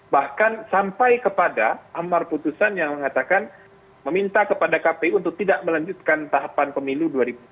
bahkan sampai kepada amar putusan yang mengatakan meminta kepada kpu untuk tidak melanjutkan tahapan pemilu dua ribu dua puluh